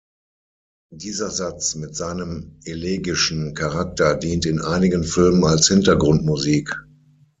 Dieser Satz, mit seinem elegischen Charakter, dient in einigen Filmen als Hintergrundmusik.